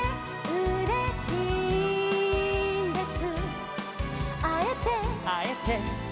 「うれしいんです」